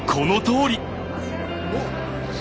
おっ！